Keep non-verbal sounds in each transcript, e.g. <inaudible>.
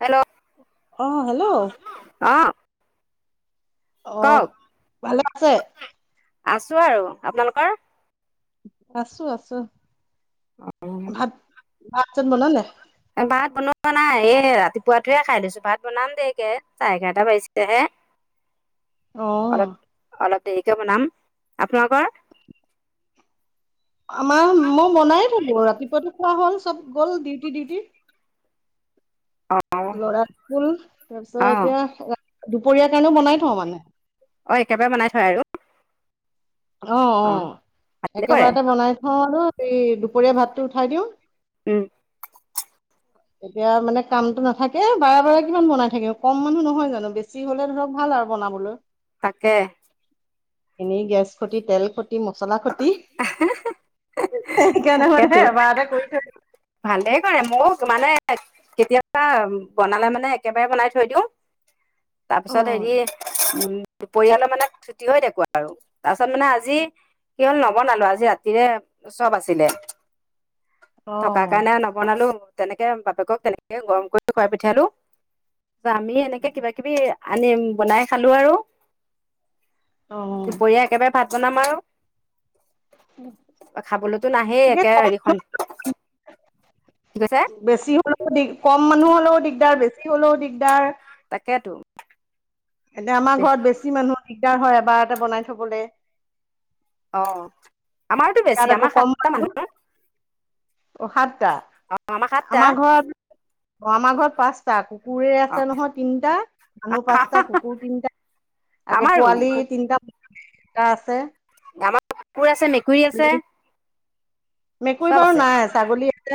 Hello অহ hello. অ অ কওক ভালে আছে। আছো আৰু আপোনালোকৰ। আছো আছো। ভাত ভাত চাত বনালে। ভাত বনোৱা নাই এই ৰাতিপুৱাতে খাই লৈছো ভাত বনাম দেকে চাহ এঘাৰটা বাজিছেহে। অ'। তেনেকে বনাম আপোনালোকৰ। আমাৰ মই মনায় থাকো ৰাতিপুৱটো খোৱা হ'ল চব গ'ল ডিউটি ডিউটি। অ লৰা ফুল তাৰপিছত অ এতিয়া। দুপৰীয়া কাৰণেও বনাই থওঁ মানে। অ একেবাৰে বনাই থয় আৰু। অ অ, ভালে কৰে একেবাৰতে বনাই থওঁ আৰু এই দুপৰীয়া ভাতটো উঠাই দিওঁ। উম। এতিয়া মানে কামটো নাথাকে বাৰে বাৰে কিমান বনাই থাকিম কম মানুহ নহয় জানো বেছি হলে ধৰক ভাল। ভাল আৰু বনাবলৈ। তাকে। এনেই গেছ খতি তেল খতি মচলা খতি। সেইকাৰণে তাকেতো মানেহে এবাৰ এটা কৰি থৈ। ভালেই কৰে ময় মানে, কেতিয়াবা বনালে মানে একেবাৰে বনাই থৈ দিওঁ। <unintelligible> তাৰ পিছত অ হেৰি উম। দু পৰিয়ালৰ মানে থুটি হয় দেুৱা আৰু তাৰ পাছত মানে আজি। কেৱল নবনালো আজি ৰাতিৰে, চব আছিলে। <unintelligible> থকা কাৰণে নবনালো তেনেকে বাপেকক তেনেকে গৰম কৰি খাই পঠিয়ালো। আমি এনেকে কিবা কিবি আনিম বনাই খালো আৰু। অ দুপৰীয়া একেবাৰে ভাত বনাম আৰু। খাবলৈতো নাহেই তাকে একে কম হেৰিখন। কি কৈছে বেছি হ'লেও দি কম মানুহ হলেও দিগদাৰ বেছি হ'লেও দিগদাৰ। তাকেতো। এতিয়া আমাৰ ঘৰত বেছি মানুহ দিগদাৰ হয় এবাৰ এটা বনাই থবলৈ। অ আমাৰতো ইয়াত বেছি আকৌ আমাৰ কম সাতটা মানুহ। অ সাতটা, আমাৰ ঘৰত, অ আমাৰ ঘৰত পাঁচটা। কুকুৰে অ আছে নহয় তিনিটা, মানুহ পাঁচটা কুকুৰ তিনিটা। আকৌ আমাৰো পোৱালি তিনিটা, টা আছে। আমাৰ কুকুৰ আছে মেকুৰী আছে মেকুৰী চব বাৰু আছে। নাই ছাগলী আছে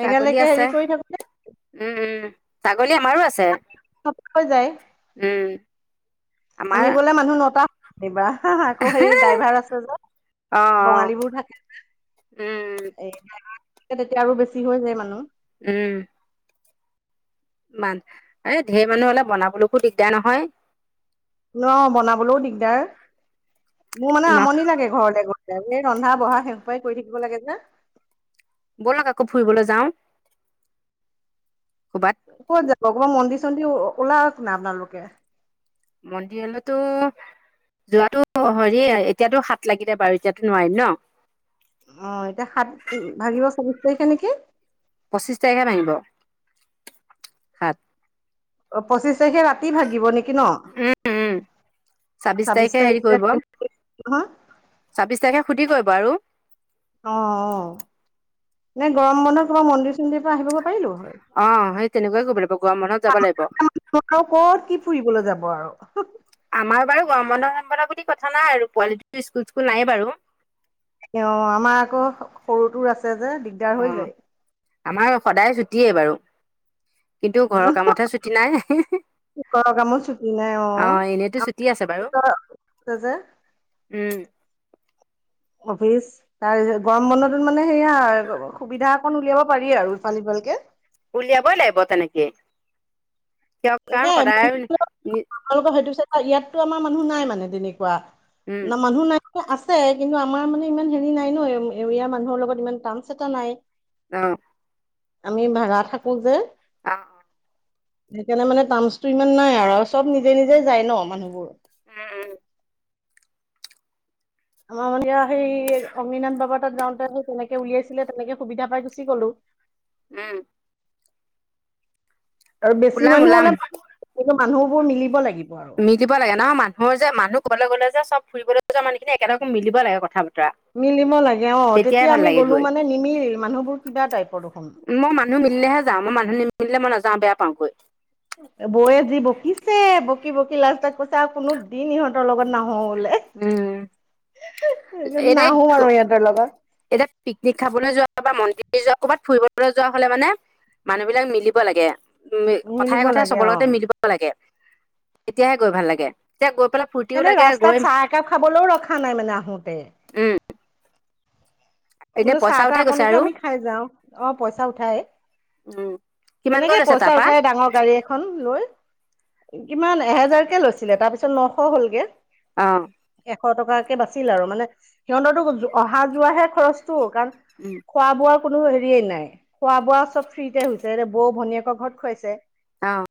ছাগলী আছে হেৰি কৰি থাকোনে। উম উম ছাগলী আমাৰো আছে, নটা হৈ যায় উম। আমাৰ আমি গ'লে মানুহ নটা, হিবা হা আকৌ হেৰি ড্ৰাইভাৰ আছে যে। অ বঙালী অ বোৰ থাকে, উম এই তেতিয়া আৰু বেছি হৈ যায় মানুহ। উম। ইমান এ ঢেৰ মানুহ অলপ বনাবলৈকো দিগদাৰ নহয়। ন বনাবলৈও দিগদাৰ। মোৰ মানে আমনি লাগে ঘৰতে গৈ এই ৰন্ধা বঢ়া সেহুৱাই কৰি থাকিব লাগে যে। বলক আকৌ ফুৰিবলৈ যাওঁ। ক'ৰবাত কত যাব কব মন্দিৰ চন্দিৰ ওলাওক না আপোনালোকে। মডিল ত। যোৱাাতো হৰি এতিয়াতো হাত লাগিলে বাৰু এতিয়াতো নোৱাৰিম ন। সখানে কি। পঁচিশ তাৰিখে ভাঙিব, সাত। অ পঁচিশ তাৰিখে ৰাতি ভাগিব নেকি ন। উম উম ছাব্বিশ তাৰিখে হেৰি কৰিব তাৰিখ হা। ছাব্বিশ তাৰিখে সুধি কয় ব আৰু। অ অ, মে গৰম বানত কবা মন্দিৰ চন্দিৰ পৰা আহিবগ পাৰিলো হয়। অ সেই তেনেকুৱাই কৰিব লাগিব গৰম বন্ধত যাব লাগিব কত কি ফুৰিবলৈ যাব আৰু। আমাৰ বাৰু গনামনা বুলি কথা নাই আৰু পোৱালিটো স্কুল স্কুল নাই বাৰু। অ আমাৰ আকৌ সৰুটোৰ আছে যে দিগদাৰ অ হৈ যায়। আমাৰ সদায় ছুটি বাৰু কিন্তু ঘৰৰ কামতহে ছুটি নাই। কৰ কামো ছুটি নাই অ এনেইতো আ ছুটি আছে বাৰু যে। উম। অফিচ তাৰ পিছত গৰম বন্নতত মানে সেয়া সুবিধা অকন উলিয়াব পাৰি আৰু ইফাল সিফালকে। উলিয়া ব লিব তে নেকি। তাকে তালোকৰ হয়তো। ইয়াততো আমাৰ মানুহ নাই মানে তেনেকুৱা উম না মানুহ নাই। আছে কিন্তু আমাৰ মানে ইমান হেৰি নাই ন এৰিয়াৰ মানুহৰ লগত ইমান টান্স এটা নাই। অ আমি ভাড়া থাকো যে। অ অ। সেইকাৰণে মানে টাৰ্মচটো ইমান নাই আৰু আৰু চব নিজে নিজে যায় ন মানুহবোৰ। উম উম। আমাৰ ময়া সেই অমিনাথ বাবা। তাত যাওঁতে তেনেকে উলিয়াইছিলে তেনেকে সুবিধা পাই গুচি গ'লো। উম। আৰু বেছি ওলাম মানুহ ওলাম হলে কিু মানুহবোৰ মিলিব লাগিব। আৰু মিল দিব লাগে নহয় মানুহৰ যে মানুহ ক'লে গ'লে যে চব ফুৰিবলৈ যোৱা মানুহিনি একেলগে মিলিব লাগে কথা পা। মিলিব লাগে অ তেতিয়া আমি লাগে গ'লো গৈ মানে নিমিল মানুহবোৰ কিবা টাইপৰ দেখোন। মই মানুহ মিলেহে যাওঁ মই মানুহ নিমিল মই নযাওঁ বেয়া পাওঁগৈ। বৌ যি বকিছে বকি বকি লাষ্ট তাত কৈছে আৰু কোনো দিন ইহঁতৰ লগত নাহওঁ। উম। এদাই নাহো আৰু ইহঁতৰ লগত এতি পিকনিক খাবলৈ যোৱা বা মন্দিৰ। নিজ ক'ৰবাত ফুৰিবলৈ যোৱা হলে মানে মানুহ বিলাক মিলিব লাগে। উ কথাই মিলিব কথাই লাগে চবৰ অ লগতে মিলিব লাগে তেতিয়াহে গৈ ভাল লাগে এতিয়া গৈ। ফূ্তিও এনে লাগে ৰাস্তাত গৈ। চাহ খাবলৈও ৰখা নাই মানে আহোতে। উম এনে বোলো চাহ পইচা তাহ উঠাই গৈছে অকলেকে আৰু আমি খাই যাওঁ অ পইচা উঠাই। উম কিমানকৈ তেনেকে লৈছে পইচা তাৰপা উঠাই ডাঙৰ গাড়ী এখন লৈ। কিমান এহেজাৰ কেে লৈছিলে তাৰ পিছত নশ হলগে। অহ। এশ টকাকে বাচিল আৰু মানে সিহঁততো অহা যোৱাাহে খৰচ। কাৰণ উম খোৱা বোৱা। কোনো হেৰিয়ে নাই খোৱা বোৱা চব ফ্ৰীতে হৈছে বৌ ভনীয়েকৰ ঘৰত খুৱাইছে। অহ।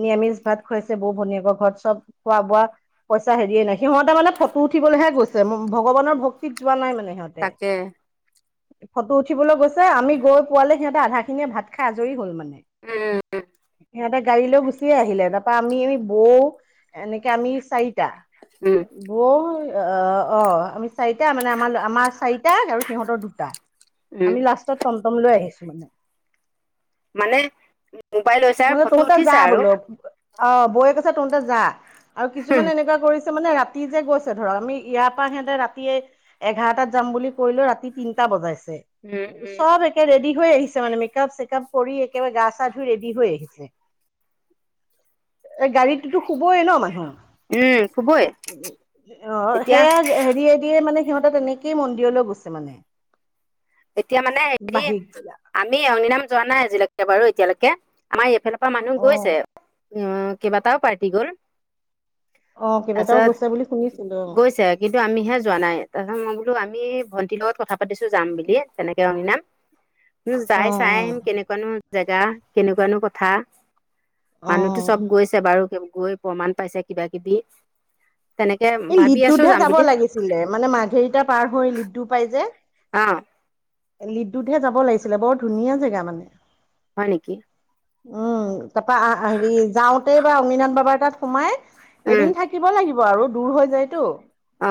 নিৰামিষ ভাত খুৱাইছে বৌ ভনিয়াক ঘৰত চব খোৱা বোৱা পইচা হেৰিয়ে নাই সিহঁতে মানে ফটো। উঠিবলৈহে গৈছে ভগৱানৰ ভক্তিত যোৱা নাই মানে সিহঁতে। তাকে ফটো উঠিবলৈ গৈছে আমি গৈ পোৱালে সিহঁতে আধা খিনিয়ে ভাত খাই আজৰি হ'ল মানে। উম সিহঁতে। গাড়ী লৈ গুচিয়ে আহিলে তাৰপা আমি বৌ এনেকে আমি চাৰিটা। উম বৌ অ অ আমি চাৰিটা মানে আমাৰ আমাৰ। চাৰিটা আৰু সিহঁতৰ দুটা উম আমি লাষ্টত টমটম লৈ আহিছো মানে। মানে মোবাইল লৈছ মানে ফটো তহঁতে যা উঠিছা আৰু। বোলো অ বৌয়ে কৈছে তহতে যা আৰু কিছুমানে এনেকুৱা কৰিছে মানে ৰা। ৰাতি যে গৈছে ধৰক আমি ইয়াৰ পৰা সিহতে ৰাতিয় এঘাৰটাত যাম বুলি কলেও ৰাতি তিনটা বজাইছে। উম উম চব একে ৰেডি হৈ আহিছে মানে মেকপ চেকপ। কৰি একেবাৰে গা চা ধুই ৰেডি হৈ আহিছে গাড়ীটো। কবই ন মানুহ উম খুবই অ এতিয়া সেয়া হেৰি মানে। সিহঁততে তেনেকেই মন্দিৰলৈ গৈছে মানে। এতিয়া মানে হেৰি বাহিৰ আমি অগ্ন নাম যোৱা নাই আজিলৈকে বাৰু এতিয়ালৈকে আমাৰ এইফালে। মানুহ গৈছে অ' উ কেইবাটাও পাৰ্টি গ'ল। অ কেইবাটাও তাৰপিছত গৈছে বুলি শুনিছিলো গৈছে কিন্তু আমিহে যোৱা নাই তাৰপিছত মই বোলো আ। আমি ভন্টিৰ লগত কথা পাতিছো যাম বুলি তেনেকে ৰঙী নাম। উম, অ যাই চাই অ আহিম কেনেকুৱানো জেগা, কেনেকুৱানো কথা। অ মানুহটো চব গৈছে বাৰু গৈ প্ৰমাণ পাইছে কিবা- কিবি। তেনেকে এই ভাবি আছো লিড্ডুতহে যাম যাব বুলি লাগিছিলে মানে মাঘেৰিটা পাৰ হৈ লিড্ডু পাই যে। অ। লিড্ডুতহে যাব লাগিছিলে বৰ ধুনীয়া জেগা মানে। হয় নেকি? উম, তাৰপা হেৰি যাওঁতে বা অংগীনাথ বাবাৰ তাত সোমাই উম, এদিন থাকিব লাগিব আৰু দূৰ হৈ যায়তো। অ।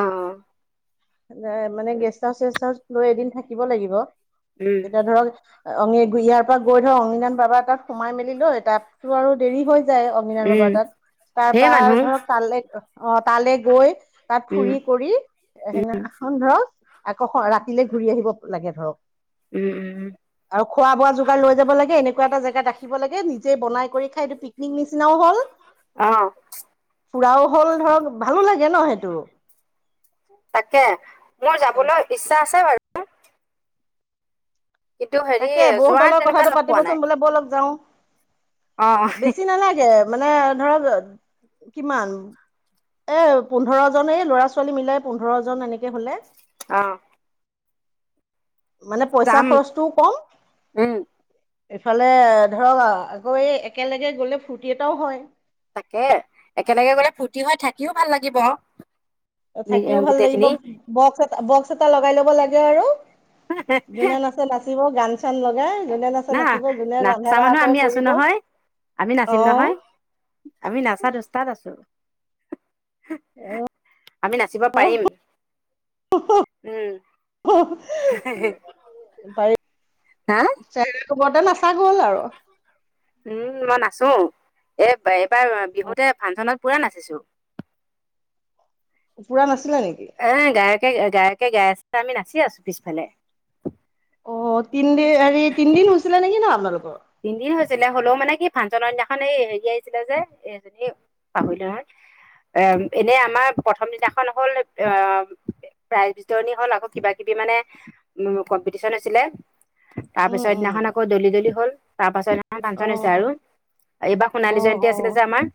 মানে গেষ্ট হাউচ চেষ্ট হাউচ লৈ এদিন থাকিব লাগিব। উম, তেতিয়া ধৰক অ, ইয়াৰ পৰা গৈ ধৰ অংনদান বাবা এ তাত সোমাই মেলি লৈ তাতো আৰু দেৰি হয়। য অগ্নিবাণ উম, বাবাৰ তাত। তাৰ ধেৰ পৰাা মানুহ ধৰক তালৈ অ তালৈ গৈ তাত উম, ফুৰি কৰি এ সেনেখন ধৰক আকৌ ৰাতিলে ঘূৰি আহিব। লাগে ধৰক। উম, উম, আৰু খোৱা বোৱা যোগাৰ লৈ যাব লাগে, এনেক এনেকুৱা এটা জেগাত ৰাখিব লাগে নিজে বনাই কৰি খাই এইটো পিকনিক নিচিনাও হল। আহ। ফুৰাও হ'ল ধৰক ভালো লাগে ন সেইটো। তাকে মোৰ যাবলৈ ইচ্ছা আছে বাৰু। কিন্তু হেৰি তাকে যোৱা বহুতালৰ তেনেকুৱা কথাটো লগ পোৱা নাই। পাতিবচোন বোলে বৌ লগ যাওঁ। অ', বেছি নালাগে মানে ধৰক কিমান এ, পোন্ধৰ জন এই ল'ৰা ছোৱালী মিলাই পোন্ধৰ জন এনেকে হলে। আহ। মানে পইচা খৰচটোও কম, উম, এইফালে ধৰক আকৌ এই একেলগে গলে ফূৰ্তি এটাও হয়। তাকে একেলগে গলে ফূৰ্তি হৈ থাকিও ভাল লাগিব। নি- এ, থাকিও ভাল লাগিব গোটেইখিনি বক্স এ বক্স এটা লগাই লব লাগে আৰু। যোনে নাচে নাচিব গান চান লগাই যোনে নাচে না নাচিব যোনে ৰন্ধা নাচা বঢ়া মানুহ কৰে আমি আছো কৰিব নহয়, আমি অ নাচিম নহয়। আমি নাচাত ওস্তাত আছো। আমি নাচিব পাৰিম। উম, তাই হা চে কোবৰতে নাচাক গ'ল আৰু। চো এই এইবাৰ বিহুতে ফাংচনত পুৰা নাচিছো। পুৰা নাছা এ, গায়কে গায়কে গাই আছে আমি নাচি আছো পিছফালে। অ, তিনদিন হৰি তিনদিন হৈছিলে নেকি ন আপোনালোক? তিনি দিন ছিলে হ'লেও মানে কি ফাংচনৰ দিনাখন এই হেৰি আহিছিলে যে এজনী পাহৰি লো আৰু। এ, এনে আমাৰ প্ৰথম দিনাখন হ'ল আহ প্ৰাইজ বিতৰণি হল। আকৌ কিবা-কিবি মানে উ কম্পিটিচন হৈছিলে। তাৰ উম পিছত উম দিদিনাখন আকৌ দলি দলি হ'ল। তাৰ পাছত ন পাঁচজন হৈছে আৰু অ এইবাৰ অ সোণালী জয়ন্তী আছিলে যে অ আমাৰ।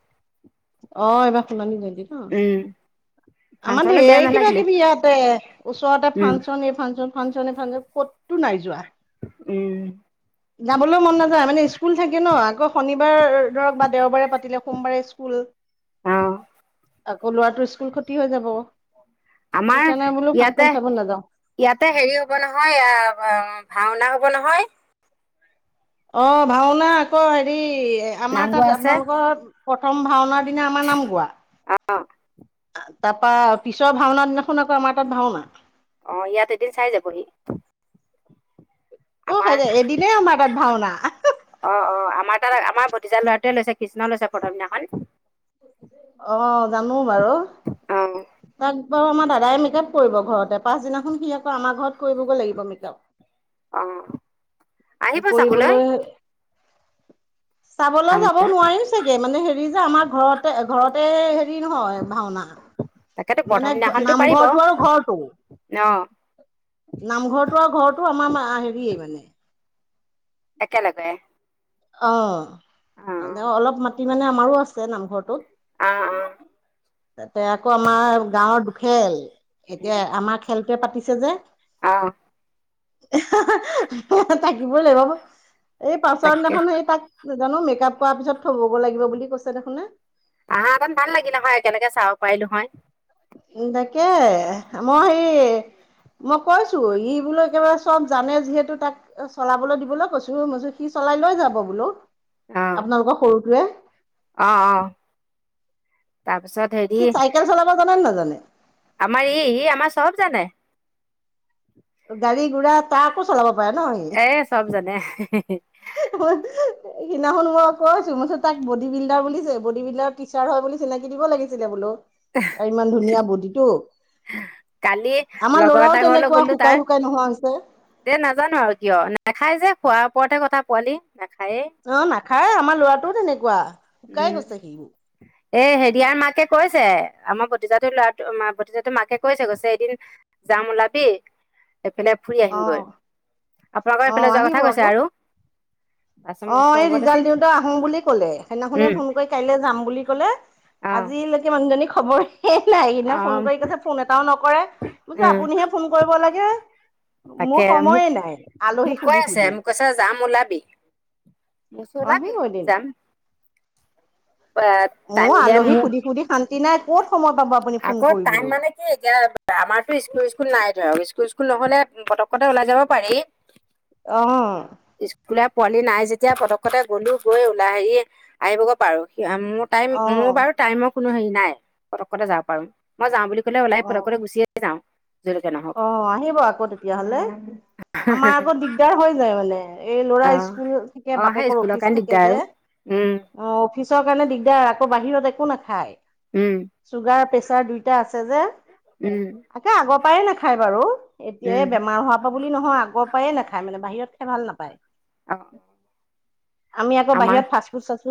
অ, এইবাৰ শুনা নি যদি ন? উম আমাৰ ফাংচনো বেয়া ধেৰ কিবা নালাগিলে কিবি ইয়াতে ওচৰতে উম ফাংচন এই ফাংচন ফাংচন। ক'তটো নাই যোৱা। উম যাবলৈ মন নাযায় মানে স্কুল থাকে ন, আকৌ শনিবাৰ বাৰে পাতিলে অ সোমবাৰে স্কুল ক্ষতি হৈ যাব। আমাৰ সেইকাৰণে বোলো ফাংচন ইয়াতে- চাব নাযাওঁ ইয়াতে হেৰি হ'ব নহয় আ ভাওনা হব নহয়। অ ভাওনা আকৌ হেৰি নাম আমাৰ তাত গোৱা আছে আপোনালোকৰ প্ৰথম ভাওনা পিনে আমাৰ নাম গোৱা। অ', তাপা পিছৰ ভাওনা দিনাখন আকৌ আমাৰ তাত ভাওনা। অ ইয়াত এদিন চাই যাবহি। অ আমাৰ এদিনেই আমাৰ তাত ভাওনা অ অ আমাৰ তাত আমাৰ ভতিজা লৰা গোতে লৈছে কৃষ্ণ লৈছে প্ৰথম দিনাখন। অ জানো বাৰু। অ', তাক বাৰু আমাৰ দাদাই মেকআপ কৰিব ঘৰতে। পাছদিনাখন সি আকৌ আমাৰ ঘৰত কৰিবগৈ লাগিব মেকআপ। অ। আহিব চাবলৈ কৰিবলৈ। চাবলৈ ভাওনা যাব নোৱাৰিম চাগে মানে হেৰি যে আমাৰ ঘৰতে ঘৰতে হেৰি নহয় ভাওনা। তাকেতো প্ৰথম মানে দিনাখনতো পাৰিব নামঘৰটো আৰু ঘৰটো। অ', নামঘৰটো আৰু ঘৰটো আমাৰ হেৰিয়ে মানে। একেলগে। অ। অ', অলপ মাটি মানে আমাৰো আছে নামঘৰটোত। অ অ। তাতে আকৌ আমাৰ গাঁৱৰ দুখেল। এতিয়া উম, আমাৰ খেলটোৱে পাতিছে যে। অ', থাকিবই লাগিব। এই পাছৰ তাকে দিনাখন সেই তাক। নাজানো মেকআপ কৰাৰ পিছত থবগৈ লাগিব বুলি কৈছে দেখুনে। আহা অকন ভাল লাগিল হয় একেলকে চাব পাৰিলো হয়। তাকে মই সি। মই কৈছো ই বোলো একেবাৰে চব জানে যিহেতু তাক চলাবলৈ দিবলৈ কৈছো। মই সি চব চলাই লৈ যাব বোলো। অ', আপোনালোকৰ সৰুটোৱে। অ অ তাৰপিছত হেৰি। সি চাইকেল চলাব জানে নে নাজানে? আমাৰ ই ই আমাৰ চব জানে। গাড়ী গুৰা তাকো চলাব। এ চব জানে। সিনা খন মই কৈছো। মো চত তাক বডী বিল্ডাৰ বুলিছে। বডী বিল্ডাৰ টিচাৰ হয় বুলি চিনাকি দিব লাগিছিলে বোলো। অ ইমান ধুনীয়া বডিটো। কালি আমাৰ লগৰ ল'ৰাও এটা ঘৰলৈ তেনেকুৱা গ'লো শুকাই তাৰ। শুকাই নোহোৱা হৈছে। এ নাজানো আৰু কিয়, নাখায় যে খোৱাৰ ওপৰতহে কথা পোৱালি। নাখায়েই অ নাখায় আমাৰ লৰাটোও তেনেকুৱা শুকাই গৈছে সিও। এ হেৰিয়া মাকে কৈছে। আমাৰ ভতিজাটোৰ ল'ৰাটো মা ভতিজাটোৰ মাকে কৈছে কছে এদিন। জাম উলাবি। <inaudible> এফালে ফুৰি অ আহিমগৈ। আপোনালোকৰ অ এইফালে যোৱা আহিব কথা আকৌ কৈছো আৰু। তাৰপিছত অ মোক এই হ'ব ৰিজাল্ট দেচোন দিওঁতে আহো বুলি ক'লে। খালি সদিনাখুনে উম ফোন কৰি কাইলৈ যাম বুলি ক'লে, অ আজিলৈকে মানুহজনী খবৰ। শেষ নাই। সেইদিনা অ ফোন কৰি কৈছে ফোন এটাও নকৰে, বুজো উম আপুনিহে ফোন কৰিব লাগে। তাকে মোৰ মোক সময়ে নাই মোক আলহীক কৈ সুধি আছে সুধি। মোক কৈছে যাম ওলাবি। মোৰচো অ ওলাবি? আহিব এদিন যাম। মো টাইম উলিয়াই আলহী মোৰ সুধি সুধি শান্তি নাই কত? সময় পাব আপুনি ফোন আকৌ টাইম কৰিবলৈ মানে কি এতিয়া আমাৰতো স্কুল স্কুল নাইটো আও স্কুল। টো স্কুল নহলে পতকতে ওলাই যাব পাৰি। অ স্কুলে পোৱালি নাই যে। যেতিয়া পতকতে গ'লো গৈ ওলাই সেইয়ে আহিবগৈ পাৰো। মোৰ টাইম অ মোৰ বাৰু টাইমক কোনো হেৰি নাই পতককতে যাব পাৰো। মই যাওঁ বুলি ক'লে ওলাই অ পটককতে গুচিয়ে যাওঁ। য'লৈকে নহওক অ আহিব আকৌ তেতিয়াহলে। আমাৰ আকৌ দিগদাৰ হৈ যায় মানে। এই ল'ৰা অঁ স্কুল থাকে, অঁ সেই বাপেকৰ স্কুলৰ অফিচ কাৰণে থাকে দিগদাৰ যে আৰু অঁ, অফিচৰ কাৰণে দিগদাৰ। আকৌ বাহিৰত একো নাখ্‌ খাই। চুগাৰ, প্ৰেচাৰ দুইটা আছে যে থাকে আগৰ পৰাই নাখ্‌ বাৰু, এতিয়া এই বেমাৰ হোৱাৰপা বুলি নহয়। আগৰ পৰাই নাখায় মানে, বাহিৰত খাই ভাল নাপায়। অঁ আমি আকৌ আমাৰ বাহিৰত ফাষ্টফুড -চাষ্টফুড